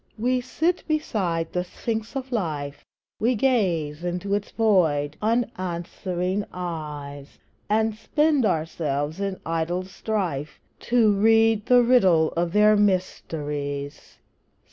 We sit beside the Sphinx of Life, We gaze into its void, unanswering eyes, And spend ourselves in idle strife To read the riddle of their mysteries.